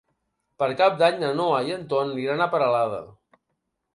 Per Cap d'Any na Noa i en Ton aniran a Peralada.